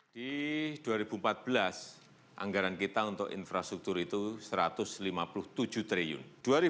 di dua ribu empat belas anggaran kita untuk infrastruktur itu rp satu ratus lima puluh tujuh triliun